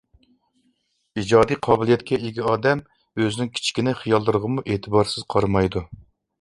ئىجادىي قابىلىيەتكە ئىگە ئادەم ئۆزىنىڭ كىچىككىنە خىياللىرىغىمۇ ئېتىبارسىز قارىمايدۇ.